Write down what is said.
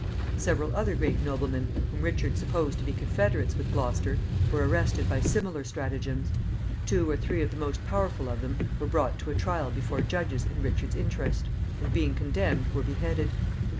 Several other great noblemen, whom Richard supposed to be confederates with Gloucester, were arrested by similar stratagems. Two or three of the most powerful of them were brought to a trial before judges in Richard's interest, and, being condemned, were beheaded.